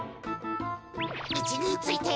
いちについて。